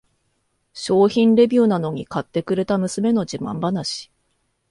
商品レビューなのに買ってくれた娘の自慢話